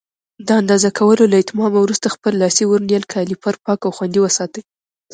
د اندازه کولو له اتمامه وروسته خپل لاسي ورنیر کالیپر پاک او خوندي وساتئ.